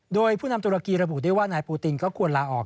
โดยผู้นำตุรกีระบุได้ว่านายปูตินก็ควรลาออก